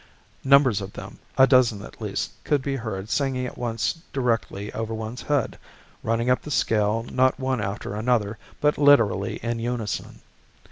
Numbers of them, a dozen at least, could be heard singing at once directly over one's head, running up the scale not one after another, but literally in unison.